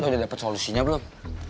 lu udah dapet solusinya belum